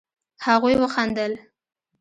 هغوئ وخندل.